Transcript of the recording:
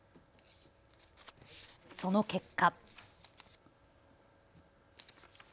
その結果。